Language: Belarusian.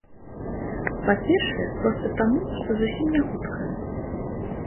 Па-першае, проста таму, што зусім не хуткая.